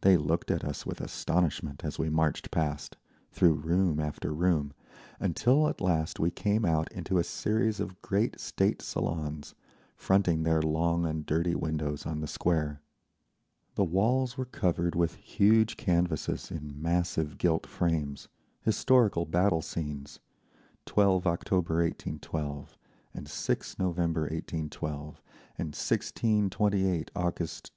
They looked at us with astonishment as we marched past, through room after room, until at last we came out into a series of great state salons, fronting their long and dirty windows on the Square. The walls were covered with huge canvases in massive gilt frames—historical battle scenes…. "12 October 1812" and "6 November 1812" and "16/28 August 1813."